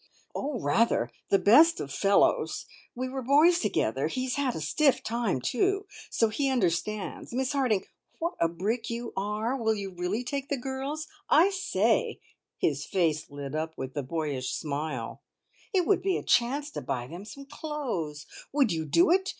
"Oh, rather. The best of fellows. We were boys together. He's had a stiff time, too, so he understands. Miss Harding, what a brick you are! Will you really take the girls? I say" his face lit up with the boyish smile "it would be a chance to buy them some clothes. Would you do it?